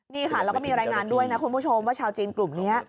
นี่ค่ะแล้วก็มีรายงานด้วยนะคุณผู้ชมว่าชาวจีนกลุ่มนี้